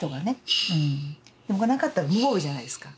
これがなかったら無防備じゃないですか。